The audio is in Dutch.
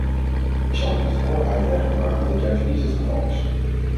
Ik zal in het kort uitleggen waarom dat juist niet het geval is.